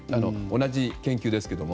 同じ研究ですけれども。